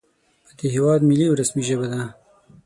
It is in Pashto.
په د هېواد ملي او رسمي ژبه ده